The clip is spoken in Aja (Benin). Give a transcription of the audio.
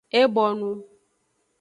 E bonu.